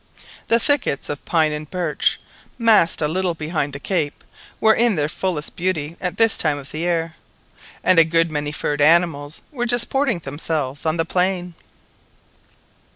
The thickets of pine and birch, massed a little behind the cape, were in their fullest beauty at this time of year, and a good many furred animals were disporting themselves on the plain.